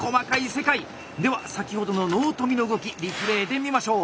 では先ほどの納富の動きリプレーで見ましょう。